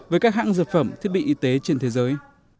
với các hãng dược phẩm thiết bị y tế trên thế giới